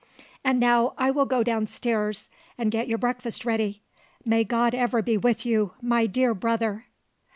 "And now I will go down stairs and get your breakfast ready. May God ever be with you, my dear brother!"